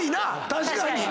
確かに。